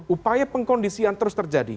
upaya pengkondisian terus terjadi